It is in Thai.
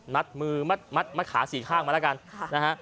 มัดมือมัดขาสี่ข้างมาแล้วกันนะฮะ